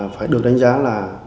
phải được đánh giá là